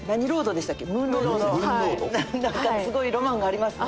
すごいロマンがありますね。